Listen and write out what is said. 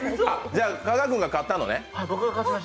じゃあ、加賀君が勝ったのね？